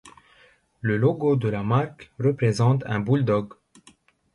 Le logo de la marque représente un bulldog.